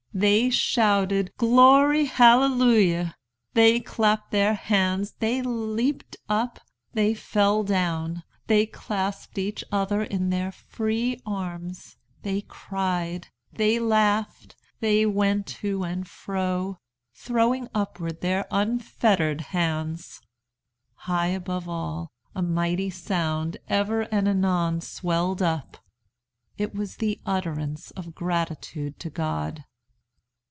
They shouted 'Glory! Hallelujah!' They clapped their hands, they leaped up, they fell down, they clasped each other in their free arms, they cried, they laughed, they went to and fro, throwing upward their unfettered hands. High above all, a mighty sound ever and anon swelled up. It was the utterance of gratitude to God.